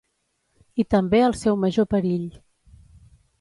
I també el seu major perill.